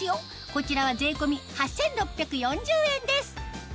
こちらは税込み８６４０円です